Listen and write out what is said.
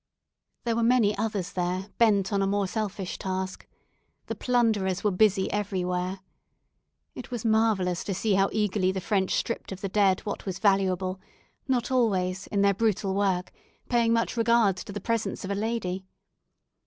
There were many others there, bent on a more selfish task. The plunderers were busy everywhere. It was marvellous to see how eagerly the French stripped the dead of what was valuable, not always, in their brutal work, paying much regard to the presence of a lady.